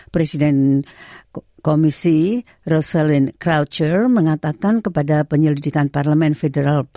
presiden komisi rosalind croucher mengatakan kepada penyelidikan parlemen federal